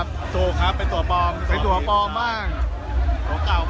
ส่วนใหญ่เลยครับส่วนใหญ่เลยครับ